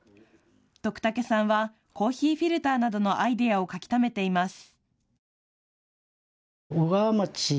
徳竹さんはコーヒーフィルターなどのアイデアを書きためています。